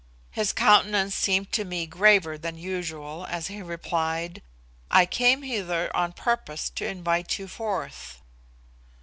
His countenance seemed to me graver than usual as he replied, "I came hither on purpose to invite you forth."